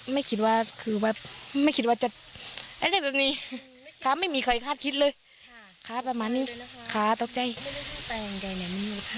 ไม่คิดว่าคือแบบไม่คิดว่าจะอรีกพอมีค่าใครคาดขึ้นเลยดังนั้นข้าไม่มาดำเนียต่อใจก็ได้แค่แค่งั้นแค่มาแนวไงแล้วจัยมันครัน